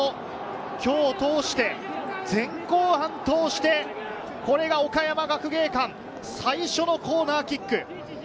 今日通して、前後半通してこれが岡山学芸館最初のコーナーキック。